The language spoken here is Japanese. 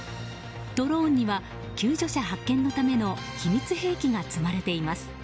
ドローンには救助者発見のための秘密兵器が積まれています。